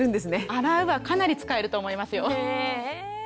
洗うはかなり使えると思いますよ。